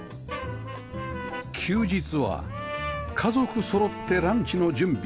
休日は家族そろってランチの準備